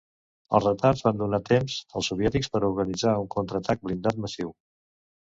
Els retards van donar temps als soviètics per organitzar un contraatac blindat massiu.